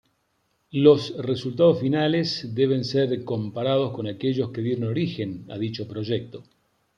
Los resultados finales deben ser comparados con aquellos que dieron origen a dicho proyecto.